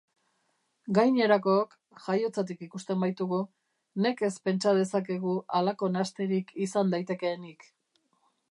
Gainerakook, jaiotzatik ikusten baitugu, nekez pentsa dezakegu halako nahasterik izan daitekeenik.